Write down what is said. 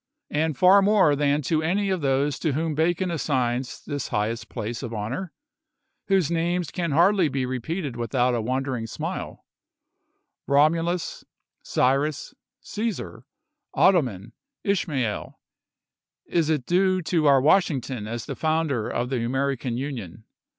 . and far more than to any of those to whom Bacon assigns this highest place of honor, whose names can hardly be repeated with out a wondering smile, — Romulus, Cyrus, Caesar, Ottoman, Ismael, — is it due to our Washington as the founder of the American Union.